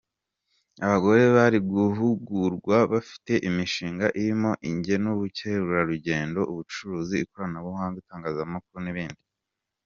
Abagore bari guhugurwa, bafite imishinga irimo ijyanye n’ubukerarugendo, ubucuruzi, ikoranabuhanga, itangazamakuru n’ibindi.